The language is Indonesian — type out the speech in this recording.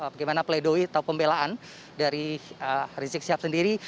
bagaimana pledoi atau pembelaan dari rizik syafendiri